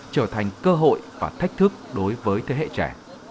trở thành cơ hội và thách thức đối với thế hệ trẻ